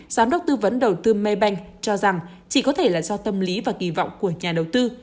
giám đốc tư vấn đầu tư mê bank cho rằng chỉ có thể là do tâm lý và kỳ vọng của nhà đầu tư